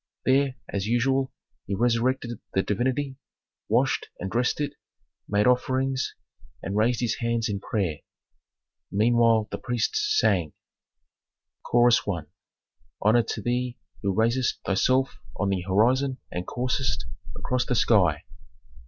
There, as usual, he resurrected the divinity, washed and dressed it, made offerings, and raised his hands in prayer. Meanwhile the priests sang: Chorus I. "Honor to thee who raisest thyself on the horizon and coursest across the sky."